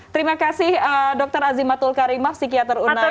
terima kasih dr azimatul karimah psikiater unair